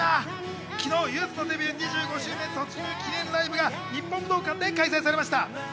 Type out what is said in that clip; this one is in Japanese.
昨日、ゆずのデビュー２５周年突入記念ライブが日本武道館で開催されました。